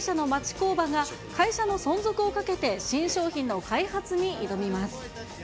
工場が、会社の存続をかけて新商品の開発に挑みます。